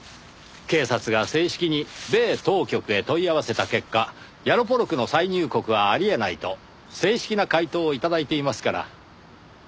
警察が正式に米当局へ問い合わせた結果ヤロポロクの再入国はあり得ないと正式な回答を頂いていますから。